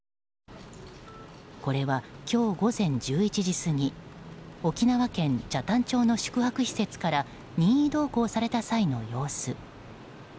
これは今日午前１１時過ぎ沖縄県北谷町の宿泊施設から任意同行された際の様子。